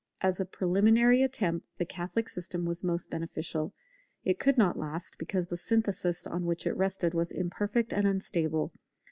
As a preliminary attempt the Catholic system was most beneficial; but it could not last, because the synthesis on which it rested was imperfect and unstable.